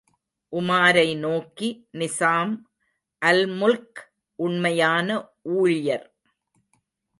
உமாரை நோக்கி, Nizam al Mulk உண்மையான ஊழியர்.